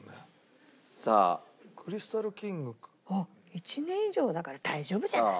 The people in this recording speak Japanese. １年以上だから大丈夫じゃない？